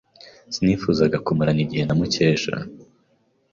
Sinifuzaga kumarana igihe na Mukesha.